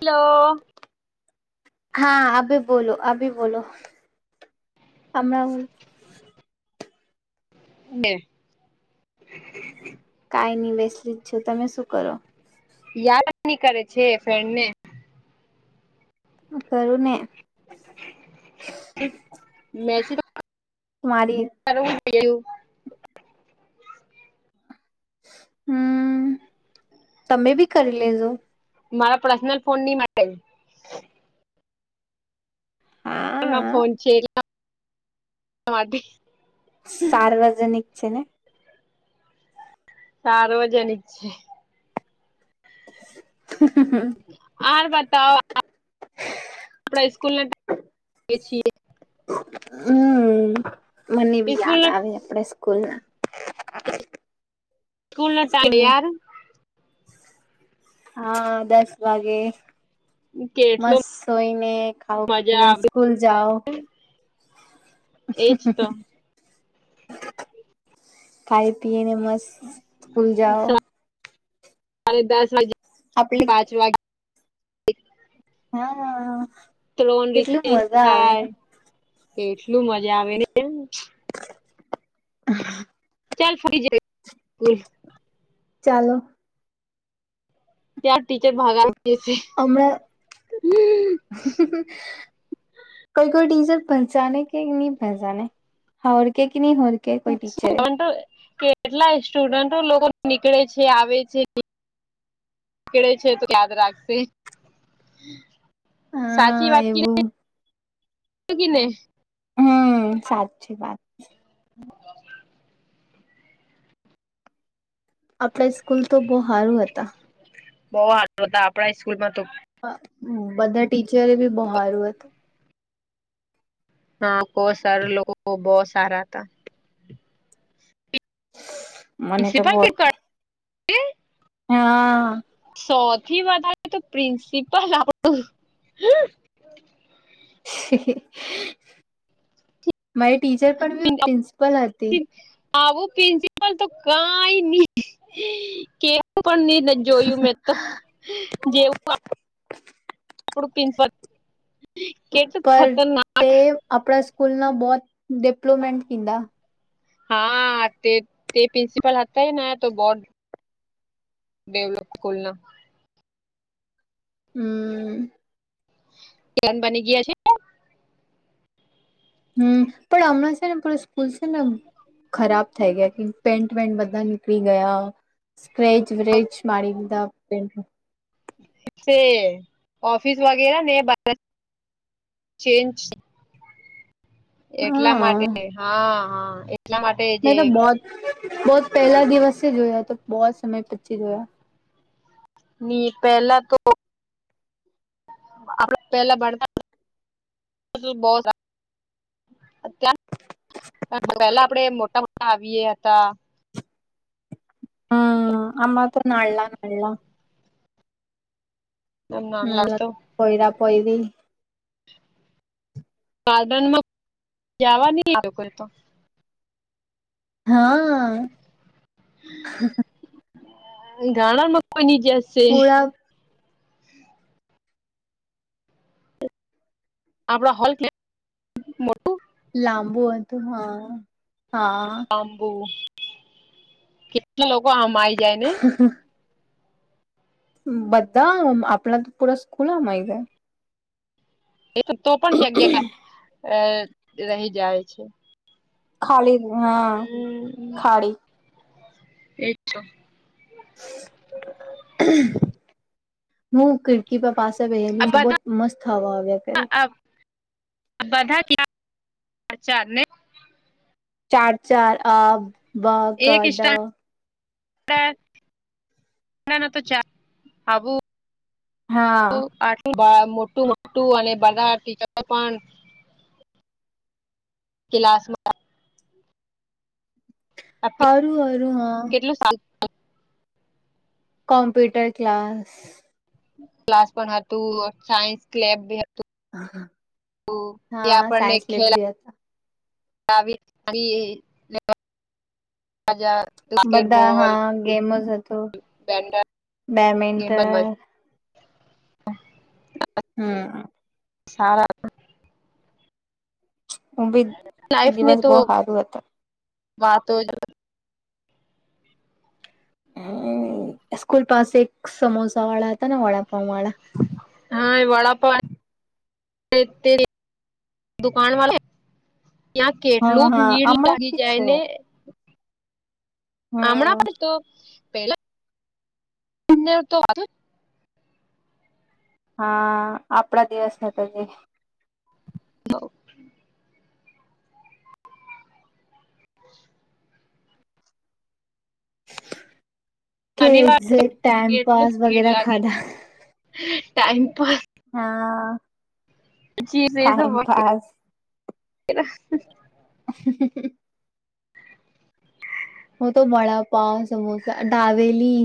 Hello, હા આવી બોલો, અબી બોલો, અમણાં, [unintelligible] હે, [unintelligible] કાઈ નહી બેસલી જ છો, તમે શું કરો? યાદ જ ની કરે છે ફ્રેન્ડ ને, કરું ને, મેસ મારી તારો વિડીયો, હમ તમે બી કરી લેજો. મારા પર્સનલ ફોન નહી માટે, હા, ના ફોન છે [inaudible] માટે, સાર્વજનિક છે ને, સાર્વજનિક છે. હ હ હ, આર બતાવ, આપ સ્કૂલના એ છીએ. હમ મને બી સ્કૂલ યાદ આવે આપડા સ્કૂલ ના, સ્કૂલ ના ટાઈમ યાદ હ, હા દસ વાગે, કેટલો મસ્ત સોઈને ખાાવ પી મજા ને આવે સ્કૂલ જાઓ. હ હ એજ તો હ, ખાઈ પીએ ને મસ્ત, સ્કૂલ જાઓ સા વારે દસ વાગે, આપ લે પાંચ વાગ હા હ, ત્રણ રિસેસ થાય એટલું મજા આવે ને એમ, હ, ચલ ફરી જ સ્કુલ, ચાલો, ત્યાર ટીચર ભાગાવતી હતી. હમણાં હ હ, કોઈ કોઈ ટીઝર પસાને કે ની પંચાને હરકે કે નહીં હોરક કેટલા સ્ટુડન્ટો લોકો નીકળે છે આવે છે, ળે છે તો યાદ રાખશે, સાચી હા વાત કી એવું ગને, હમ સાચી વાત. હ, આપડા સ્કૂલ તો બહુ સારું હતા. બઉ હાર હતા આપણા સ્કૂલમાં તો, બધા ટીચરે બી બહુ હારું હતું. હા કો સર લોકો બહુ સારા હતા. મને તો પ્રિન્સિપલ કે બહુત કર હા, સૌથી વધારે તો પ્રિન્સિપલ આપડું, મારી ટીચર પણ બી પ્રિન્સિપલ હતી. આવું પ્રિન્સિપલ તો કઈ નહી કેવું પણ નહી જોયું મેં તો, જેવું આપડું પીસ પલ હતો. પર તે આપણા સ્કૂલ ના બહુત ડિપ્લોમન્ટ કીધા. હા તે તે પ્રિન્સિપલ હતા એ ને તો બોત ડેવલપ ખલના, હમ, ન બની ગયા છે. હમ પણ હમણાં છે ને પ સ્કૂલ છે ને, ખરાબ થઈ ગયા કે પેન્ટ વેન્ટ બધા નીકળી ગયા. ક્રેજ વ્રજ મળ દા પે, ઠીક ઓફિસ વગેરા ને બ ચેન્જ, એટલા હા માટે ક હા હા એટલા માટે જે મેં તો બહ બહુત પહેલા દિવસે જોયા તો બહુ સમય પછી જોયા. ની પેલા તો, આપડે પેલા ભણતા બો ત્યાં પહેલા આપડે મોટા મોટા આવીએ હતા. હમ અમ્મા તો નલા [unintelligible] લા, એમ ના નાના લ તો પોયરા પોય રી, ગાર્ડનમાં જવા નહી આવ્યો કોઈ તો, હા, ઘાણા મ કોઈ ની જય સ, પુળા, આપડા હોલ ને, લાંબુ હતું હા હા, બાંબુ, કેટલા લોકો આમ આવી જાય ને, હ હ, બધા આપણા તો પૂરા સ્કૂલમાંય જાય. તો પણ જગ્યા ખ અ રહી જાય છે. ખાલી હા હમ ખાળી, એ તો, [unintelligible] મૂક, કે પાસે વેલું છે બહુત બધા મસ્ત હવા આવ્યા કર. બધા ક્યા, ચાલે, ચાર ચાર અ બ ક ડ, ના ના તો ચા આવું, હા. આ મોટું મોટું અને બધા ટીચ પણ, ક્લાસમાં હતા. હારુ હરુ હા, કેટલું શા થી, કોમ્પ્યુટર ક્લાસ, ક્લાસ પણ હતું, સાયન્સ લેબ બી હતું. ત્યાં હા સાયન્સ લેબ ભી હતી, આવી [unintelligible] જા, બધા હા ગેમોસ હતું. બેન્ડર ગેમ બેમિન્ટન હમ્મ. સારા હતા. હું ભી લાઈફ ની દિવસ તો બહ સારું હતા. વાતો [unintelligible] હમ્મ સ્કૂલ પાસે એક સમોસા વાળા હતા ને વડાપાવ વાળા? હા એ વડાપાવ તે તે દુકાન વાલા ત્યાં હા કેટલું હા ભીડ હમણાં જ લાગી બી છે જાય એવો. ને હમણાં હમ્મ પણ તો પેલા [unintelligible] તો હા આપડા દિવસ હતા જે હવ. કે અનિવાર તો એક્ઝેક્ટ કેટલું ટાઈમપાસ ભીડ વગેરે લાગી ખાધા. જાય, ટાઈમપ હા. Time pass. હું તો વડાપાવ, સમોસા, ડાબેલી.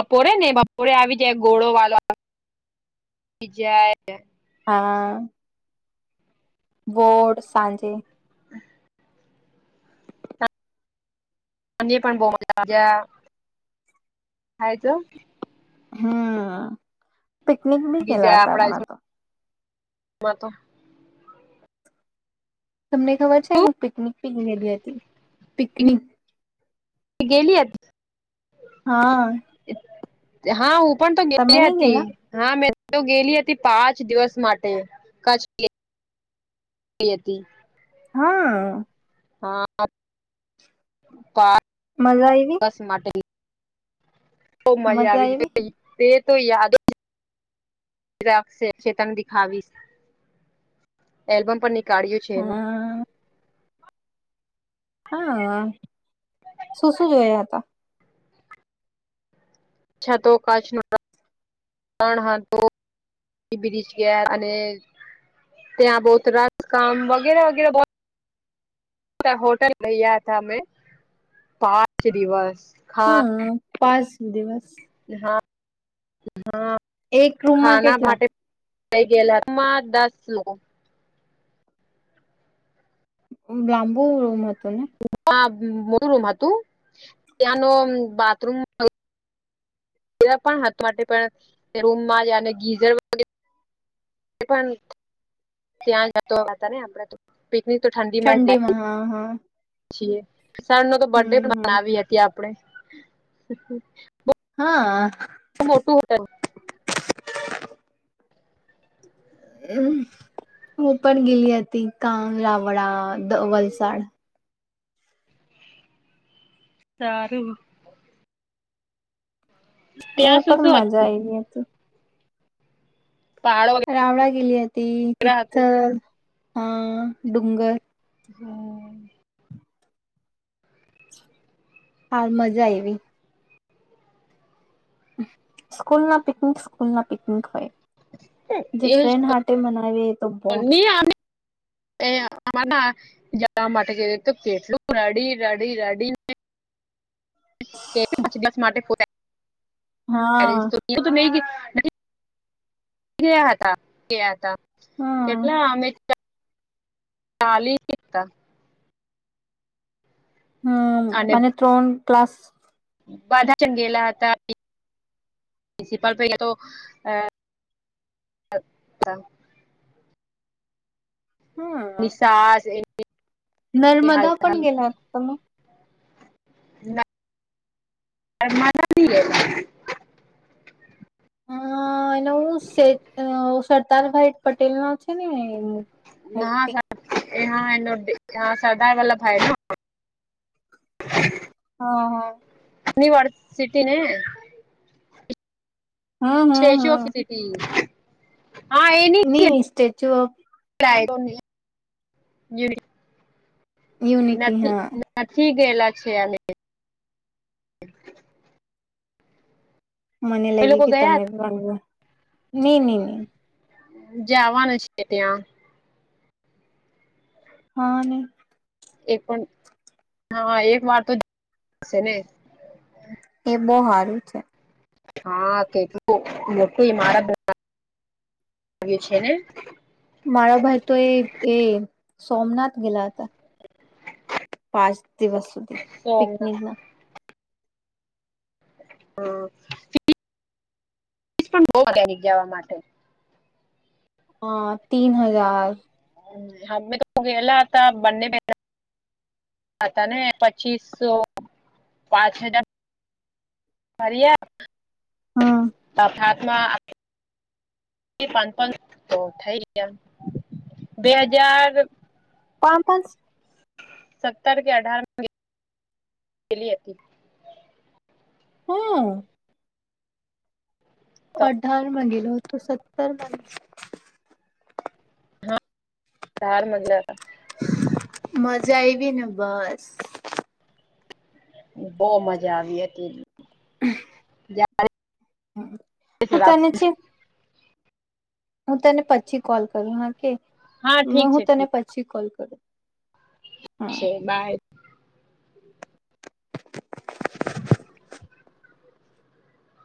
બપોરે ને બપોરે આવી જાય ગોળો વાલો આવી જાય. હા. ગોડ સાંજે. હ. અને પણ બઉ મજા થાય તો હમ્મ. બીજા આપડા જ તો. માતો તમને ખબર છે હું પિકનિક પી ગલી હતી, પિકનિક. ગેલી હતી. હા. હા હું પણ તો તમે ગેલી નઈ હતી. ગેલા હા મેં તો ગેલી હતી પાંચ દિવસ માટે કચ્છ ગેલી હતી. હા. હા પા મલવા આઈવી? બસ માટે બવ મજા આવી ગઈ તે તો યાદજ રાખશે ચેતન દેખાવીશ એલ્બમ પણ નીકળ્યું છે એનું. હા હા, શું શું જોયા હતા? છતો કાચનો ત્રણ હતો, [unintelligible] ગયા અને ત્યા બહુત રાત કામ વગેરે વગેરે બો તા હોટલ લઈ ગયા હતા અમે, પાંચ દિવસ! ખા હા પાંસ દિવસ. હા હા એક રૂમમાં ખાના કેટલા ભાટે થઈ ગયે [unintelligible] લા માં દસ લોકો. લાંબુ રુમ હતું ને? હા બઉ મોટું રૂમ હતું ત્યાં નુ બાથરૂમ હાથ માટે પણ રૂમમાં જ અને ગીઝર અને પણ ત્યાં જ હતો. પિકનિક તો ઠંડીમાં જ [unintelligible] હા હા છીએ, સારું ન તો બર્થડે હમ હમ માનાવીએ [unintelligible] આપણે હા મોટું [unintelligible] હું પણ ગેલી હતી કામ લવડાવ ધ વલસાડ સારું. એ ત્યાં શું પણ શું મજા હતું આઈ ગઈ હતી. [unintelligible] રાવડા ગેલી હતી હતી વગેરે હતું તિથલ હા ડુંગર હમ્મ. હા મજા આયવી. સ્કૂલ ના પિકનિક સ્કૂલ ના પિકનિક હોય. જે એ ફ્રેન્ડ હાટે મનાવીએ એ તો બહું નહી એ [unintelligible] જવા માટે જ તો કેટલો રડી રડી રડી ને [unintelligible] હા [unintelligible] ગયા હતા ગયા હતા હા કેટલા અમે [unintelligible] ચાલી નહિ એકતા. હ મને ત્રણ ક્લાસ બાધા ચ ગેલા હતા [unintelligible] પ્રિન્સિપાલ ભઈએ તો હા નિશાસ એ નર્મદા પણ ગેલા તમે? નર્મદા ની ગેલા. અ એનો હું સે અ સરદારભાઈ પટેલ નો છે ને એનો ના, [unintelligible] સરદાર વલ્લભભાઈ હમ્મ હમ્મ. નિવરસિટી ને હા હા સ્ટેચ્યુ ઓફ હા સિટી. ની ની સ્ટેચ્યુ ઓફ [unintelligible] યુનિટી નથી હા નથી ગયેલા છે અમે [inaudible] મને એ લાગ્યું લોકો કે ગયા તમે ભાગવા ની ની ની જે આવવાના છે ત્યાં. હા ને. એ પણ હા એક વાર તો શે ને તે બો હારું છે. હા કેટલું [unintelligible] મારા [unintelligible] છે ને મારા ભાઈ તો એ એ સોમનાથ ગેલા હતા. પાંચ દિવસ. સુધી પિકનિક સોમનાથ ના હ પણ બો [unintelligible] માટે હ તીન હજાર, હમે તો ગેલા હતા બંને પ, હાતા ને પચીસસો પાંચ હજાર, હમ ભરીયા તાપ માં, પાંચ પાચ તો થઈ ગીયા બે હજાર, પા પાંચ, સત્તર કે અઢાર, કેલી અતી, હ, તો અઢાર માં ગેલો તો સત્તરમાં, ધાર મધ્ય, મજા આયવી ને બસ, બો મજા આવી એતી જ, હું તાને છે, હું તને પછી કોલ કરું હા કે, હા મ ઠીક હું છે તને ઠીક પછી કોલ કરું. હમ છે બાય,